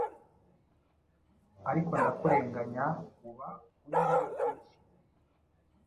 Ariko ndakurenganya uba uri muri rwinshi.